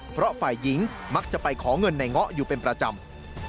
เพราะฝ่ายหญิงมักจะไปขอเงินในเงาะอยู่เป็นประจำ